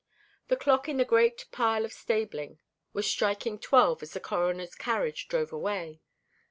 The clock in the great gray pile of stabling was striking twelve as the Coroner's carriage drove away.